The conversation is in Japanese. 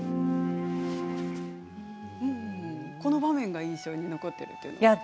この場面が印象に残っているんですか？